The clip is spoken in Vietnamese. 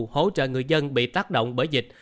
hỗ trợ người dân bị tác động bởi dịch